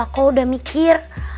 aku udah mikir